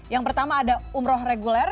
yang pertama ada umroh reguler